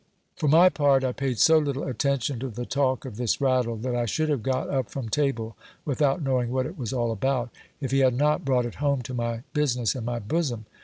SCIPICrS STOR Y. 3:5 For my part, I paid so little attention to the talk of this rattle, that I should have got up from table without knowing what it was all about, if he had not brought it home to my business and my bosom.